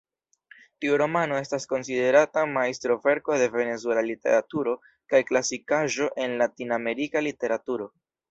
Tiu romano estas konsiderata majstroverko de venezuela literaturo kaj klasikaĵo en Latin-Amerika literaturo.